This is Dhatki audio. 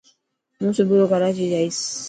هون صبورو ڪراچي جائين.